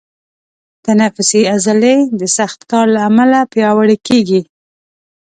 تنفسي عضلې د سخت کار له امله پیاوړي کېږي.